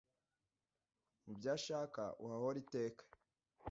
mubyo ashaka uhahore iteka